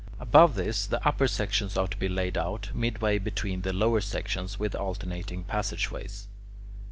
Above this, the upper sections are to be laid out, midway between (the lower sections), with alternating passage ways.